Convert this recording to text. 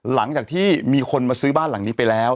หลังจากที่มีคนมาซื้อบ้านหลังนี้ไปแล้ว